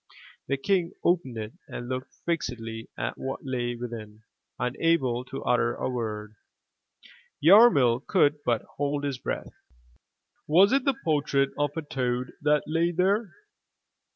The King opened it and looked fixedly at what lay within, unable to utter a word. Yarmil could but hold his breath. Was it the portrait of a toad that lay there?